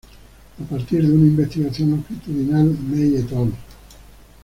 A partir de una investigación longitudinal May et al.